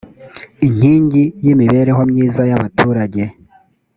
iinkingi y’imibereho myiza y’abaturage